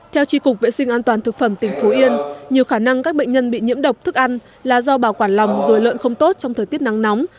theo tri cục vệ sinh an toàn thực phẩm tỉnh phú yên nhiều khả năng các bệnh nhân bị nhiễm độc thức ăn là do bảo quản lòng rồi lợn không tốt trong thời tiết nắng nóng